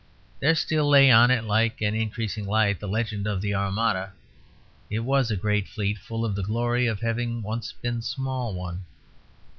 There still lay on it, like an increasing light, the legend of the Armada; it was a great fleet full of the glory of having once been a small one.